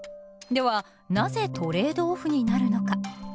ではなぜトレード・オフになるのか？